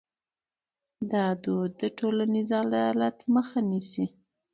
دا دود د ټولنیز عدالت مخه نیسي.